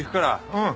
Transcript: うん。